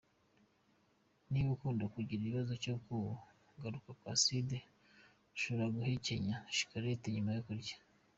Niba ukunda kugira ikibazo cyo kugaruka kw’aside, ushobora guhekenya shikarete nyuma yo kurya.